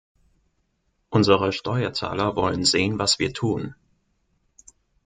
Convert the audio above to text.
Unsere Steuerzahler wollen sehen, was wir tun.